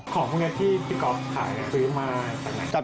ของพวกนี้ที่พี่ก๊อฟขายซื้อมาจากไหน